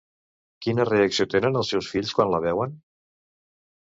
Quina reacció tenen els seus fills quan la veuen?